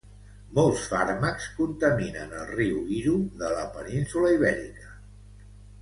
Molts fàrmacs contaminen el riu Iro de la península Ibèrica.